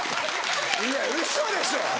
いやウソでしょ